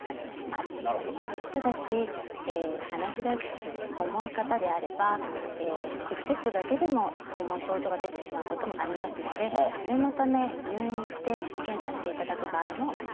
ただしアナフィラキシー重い方であれば皮膚テストだけでも重い症状が出てしまうこともありますので念のため入院して検査していただく場合もあります。